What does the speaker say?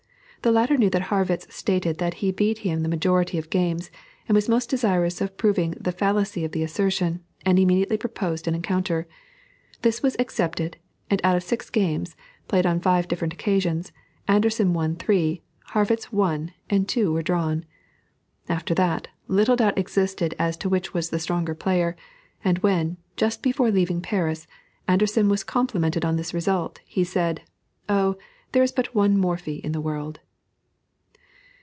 The latter knew that Harrwitz stated that he beat him the majority of games, and he was most desirous of proving the fallacy of the assertion, and immediately proposed an encounter. This was accepted, and out of six games, played on five different occasions, Anderssen won three, Harrwitz one, and two were drawn. After that, little doubt existed as to which was the stronger player, and when, just before leaving Paris, Anderssen was complimented on this result, he said, "Oh, there is but one Morphy in the world."